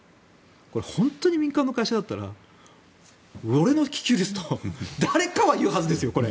これは本当に民間の会社だったら俺の気球ですと誰かは言うはずですよ。